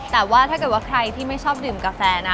แต่ว่าถ้าเกิดว่าใครที่ไม่ชอบดื่มกาแฟนะ